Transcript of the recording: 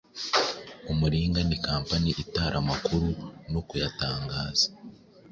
Umuringa ni company itara amakuru no kuyatangaza